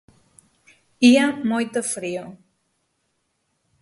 Ía moito frío.